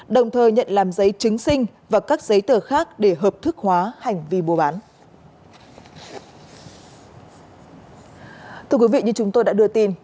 đồng thời nhận làm giấy chứng sinh và các giấy tờ khác để hợp thức hóa hành vi mua bán